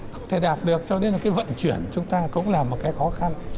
không thể đạt được cho nên là cái vận chuyển chúng ta cũng là một cái khó khăn